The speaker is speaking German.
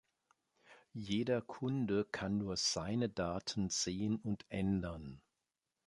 Jeder Kunde kann nur seine Daten sehen und ändern.